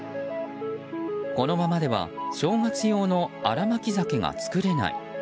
このままでは正月用の新巻きザケが作れない。